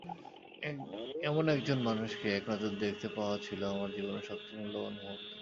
এমন একজন মানুষকে একনজর দেখতে পাওয়া ছিল আমার জীবনের সবচেয়ে মূল্যবান মুহূর্ত।